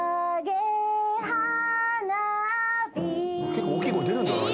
結構大きい声出るんだえ